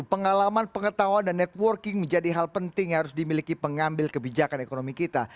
pengalaman pengetahuan dan networking menjadi hal penting yang harus dimiliki pengambil kebijakan ekonomi kita